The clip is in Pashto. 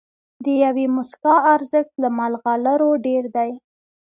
د یوې موسکا ارزښت له مرغلرو ډېر دی.